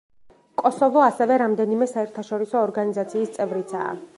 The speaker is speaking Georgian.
კოსოვო ასევე რამდენიმე საერთაშორისო ორგანიზაციის წევრიცაა.